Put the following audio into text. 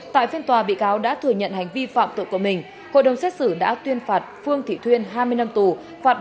tại phiên tòa bị cáo đã thừa nhận hành vi phạm tội của mình hội đồng xét xử đã tuyên phạt phương thị thuyên hai mươi năm tù phạt bổ sung năm triệu đồng nộp ngân sách nhà nước